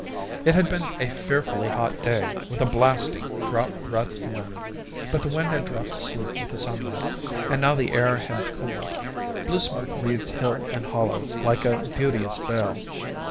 It had been a fearfully hot day, with a blasting, drought breathed wind; but the wind had dropped to sleep with the sunlight, and now the air had cooled. Blue smoke wreathed hill and hollow like a beauteous veil.